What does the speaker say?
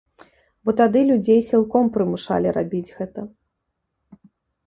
Бо тады людзей сілком прымушалі рабіць гэта.